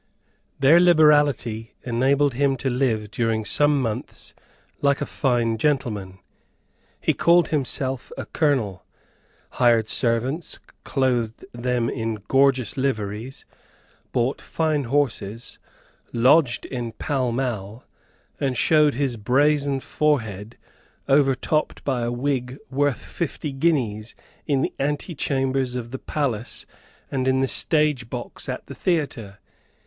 Their liberality enabled him to live during some months like a fine gentleman. He called himself a Colonel, hired servants, clothed them in gorgeous liveries, bought fine horses, lodged in Pall Mall, and showed his brazen forehead, overtopped by a wig worth fifty guineas, in the antechambers of the palace and in the stage box at the theatre.